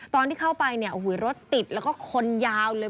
ตอนที่เข้าไปเนี่ยโอ้โหรถติดแล้วก็คนยาวเลย